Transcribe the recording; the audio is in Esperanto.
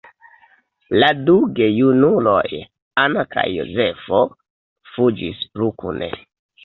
La du gejunuloj, Anna kaj Jozefo, fuĝis plu kune.